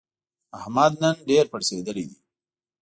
احمد نن ډېر پړسېدلی دی.